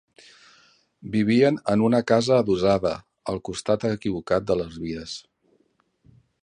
Vivien en una casa adossada al costat equivocat de les vies